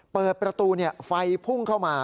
เปิดประตูไฟพุ่งเข้ามา